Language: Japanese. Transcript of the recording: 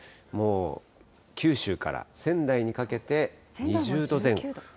もう九州から仙台にかけて２０度前後。